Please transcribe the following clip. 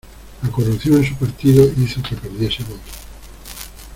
La corrupción en su partido, hizo que perdiese votos.